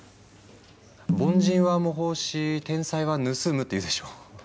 「凡人は模倣し天才は盗む」って言うでしょ。